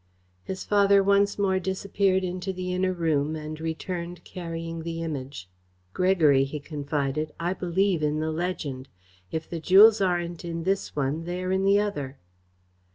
His father once more disappeared into the inner room and returned carrying the Image. "Gregory," he confided, "I believe in the legend. If the jewels aren't in this one they are in the other."